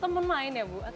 temen main ya ibu